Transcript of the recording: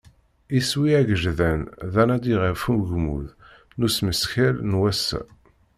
Iswi agejdan d anadi ɣef ugmmuḍ n usmeskel n wass-a.